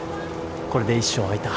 これで１床空いた。